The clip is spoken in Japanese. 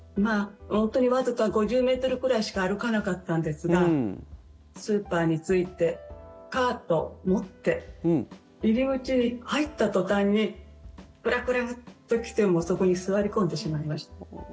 本当にわずか５０ｍぐらいしか歩かなかったんですがスーパーに着いてカートを持って入り口に入った途端にクラクラッと来てそこに座り込んでしまいました。